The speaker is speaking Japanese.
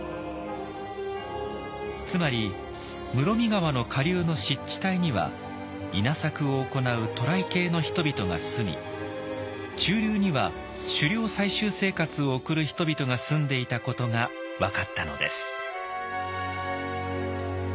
つまり室見川の下流の湿地帯には稲作を行う渡来系の人々が住み中流には狩猟採集生活を送る人々が住んでいたことが分かったのです。